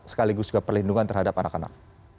sekaligus juga perlindungan terhadap anak anak